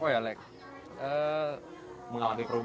akhirnya yang nakal nakal itu tadi di gugup